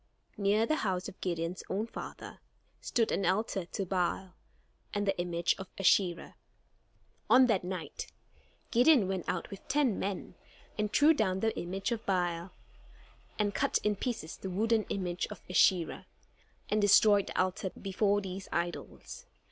Near the house of Gideon's own father stood an altar to Baal, and the image of Asherah. On that night, Gideon went out with ten men, and threw down the image of Baal, and cut in pieces the wooden image of Asherah, and destroyed the altar before these idols.